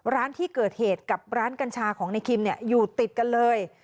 ร้านที่เกิดเหตุกับร้านกัญชาของในคิมอยู่ติดกันเลย